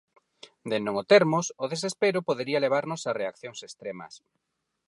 De non o termos, o desespero podería levarnos a reaccións extremas.